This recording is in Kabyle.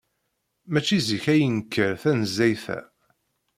Maci zik ay yenker tanezzayt-a.